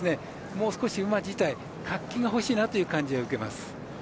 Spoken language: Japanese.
もう少し馬自体活気が欲しいなという感じを受けます。